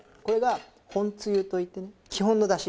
これが本つゆといってね